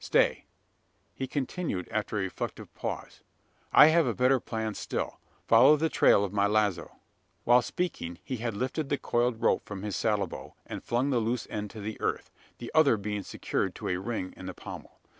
Stay!" he continued, after a reflective pause, "I have a better plan still: follow the trail of my lazo!" While speaking, he had lifted the coiled rope from his saddlebow, and flung the loose end to the earth the other being secured to a ring in the pommel.